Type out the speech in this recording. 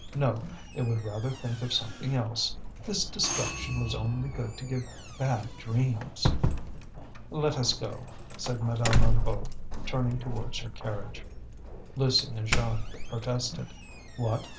No, they would rather think of something else; this destruction was only good to give bad dreams. "Let us go," said Madame Hennebeau, turning towards her carriage. Lucie and Jeanne protested. What!